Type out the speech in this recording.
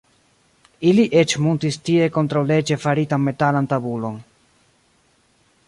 Ili eĉ muntis tie kontraŭleĝe faritan metalan tabulon.